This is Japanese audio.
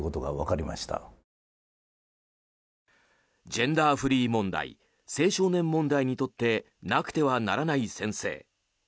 ジェンダーフリー問題青少年問題にとってなくてはならない先生